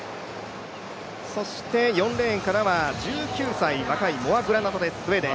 そして４レーンからは１９歳のモア・グラナトです、スウェーデン。